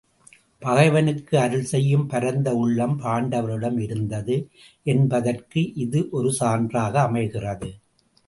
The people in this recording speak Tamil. பகைவனுக்கு அருள்செய்யும் பரந்த உள்ளம் பாண்டவரிடம் இருந்தது என்பதற்கு இது ஒரு சான்றாக அமைகிறது.